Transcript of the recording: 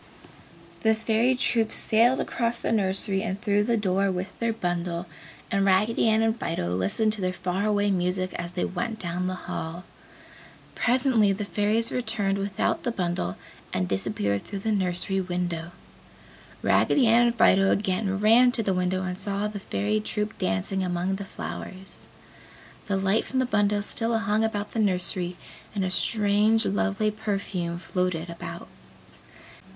The Fairy troop sailed across the nursery and through the door with their bundle and Raggedy Ann and Fido listened to their far away music as they went down the hall. Presently the Fairies returned without the bundle and disappeared through the nursery window. Raggedy Ann and Fido again ran to the window and saw the Fairy troop dancing among the flowers. The light from the bundle still hung about the nursery and a strange lovely perfume floated about.